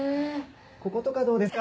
こことかどうですか？